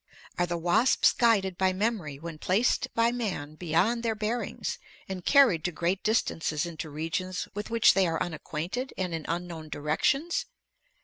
"Are the wasps guided by memory when placed by man beyond their bearings and carried to great distances into regions with which they are unacquainted and in unknown directions?"